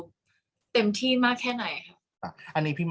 กากตัวทำอะไรบ้างอยู่ตรงนี้คนเดียว